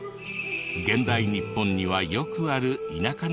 日本にはよくある田舎の島。